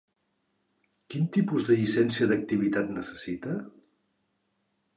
Quin tipus de llicència d'activitat necessita?